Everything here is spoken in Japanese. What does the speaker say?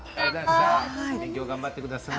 勉強、頑張ってください。